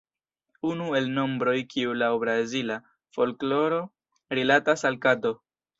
Unu el nombroj kiu laŭ Brazila folkloro rilatas al kato.